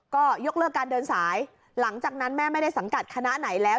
ก็ยกเลิกการเดินสายหลังจากนั้นแม่ไม่ได้สังกัดคณะไหนแล้ว